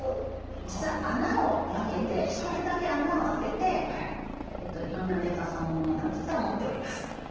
実は穴を開けて１つだけ穴を開けていろんなメーカーさんのものなんですが持っております。